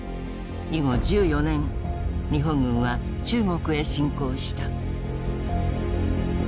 以後１４年日本軍は中国へ侵攻した。